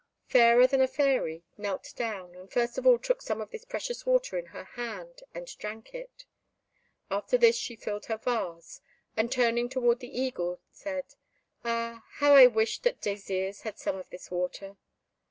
Fairer than a Fairy knelt down, and first of all took some of this precious water in her hand, and drank it. After this she filled her vase, and, turning towards her eagle, said, "Ah, how I wish that Désirs had some of this water!"